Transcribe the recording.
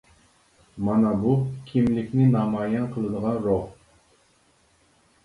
مانا بۇ كىملىكنى نامايان قىلىدىغان روھ!